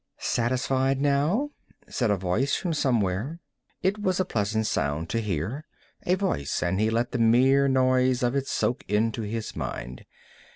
"Satisfied now?" said a voice from somewhere. It was a pleasant sound to hear, a voice, and he let the mere noise of it soak into his mind.